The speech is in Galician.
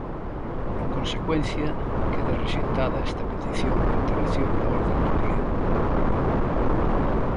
En consecuencia, queda rexeitada esta petición de alteración da orde do día.